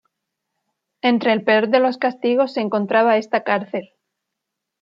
Entre el peor de los castigos se encontraba esta cárcel.